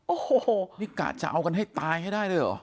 โอ้โหนี่กะจะเอากันให้ตายให้ได้เลยเหรอ